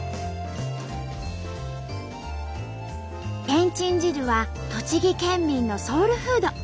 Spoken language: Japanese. けんちん汁は栃木県民のソウルフード。